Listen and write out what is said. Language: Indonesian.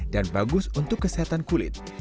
dan bagus untuk kesehatan kulit